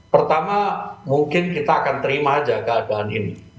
pertama mungkin kita akan terima aja keadaan ini